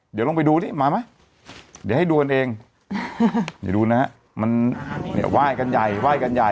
เดี๋ยวลงไปดูนี่มามั้ยเดี๋ยวให้ดูกันเองดูนะฮะมันไหว้กันใหญ่ไหว้กันใหญ่